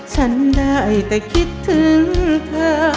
ฉันได้แต่คิดถึงเธอ